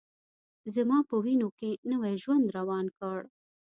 زما په وینوکې نوی ژوند روان کړ